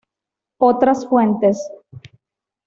Otras fuentes